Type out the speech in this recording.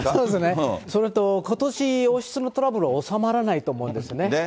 それと、ことし王室のトラブルは収まらないと思うんですね。